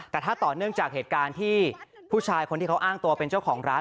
แต่ถ้าต่อเนื่องจากเหตุการณ์ที่ผู้ชายคนที่เขาอ้างตัวเป็นเจ้าของร้าน